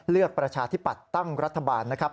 ประชาธิปัตย์ตั้งรัฐบาลนะครับ